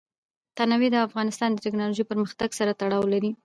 تنوع د افغانستان د تکنالوژۍ پرمختګ سره تړاو لري.